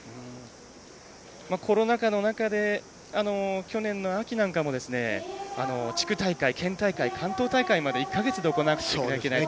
コロナ禍の中で去年の秋なんかも地区大会、県大会関東大会まで１か月で行わなきゃいけない。